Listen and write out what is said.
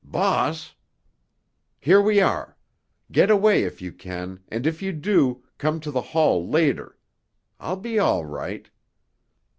"Boss——" "Here we are! Get away if you can, and if you do, come to the hall later. I'll be all right!"